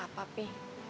maksudnya apa papi